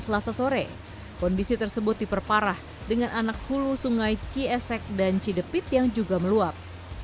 selasa sore kondisi tersebut diperparah dengan anak hulu sungai ciesek dan cidepit yang juga meluap